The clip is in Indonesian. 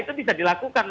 itu bisa dilakukan